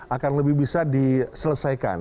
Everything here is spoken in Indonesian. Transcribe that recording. akan lebih bisa diselesaikan